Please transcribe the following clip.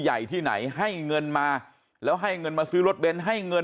ใหญ่ที่ไหนให้เงินมาแล้วให้เงินมาซื้อรถเน้นให้เงิน